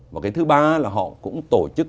và cái thứ ba là họ cũng tổ chức